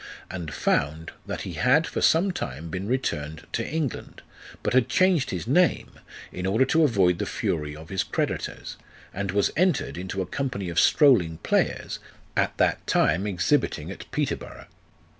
and found that he had for some time been returned to England, but had changed his name, in order to avoid the fury of his creditors, and was entered into a company of strolling players, at that time exhibiting at Peterborough.